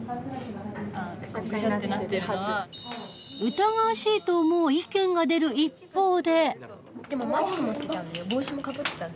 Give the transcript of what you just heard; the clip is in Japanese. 疑わしいと思う意見が出る一方で。